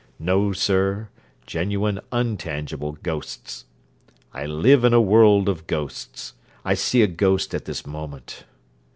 No, sir, genuine untangible ghosts. I live in a world of ghosts. I see a ghost at this moment.